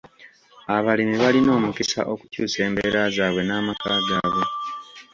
Abalimi balina omukisa okukyusa embeera zaabwe n'amaka gaabwe.